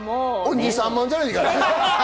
２３万じゃない？